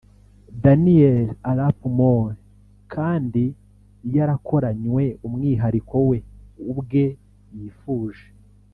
Daniel Arap Moi kandi yarakoranywe umwihariko we ubwe yifuje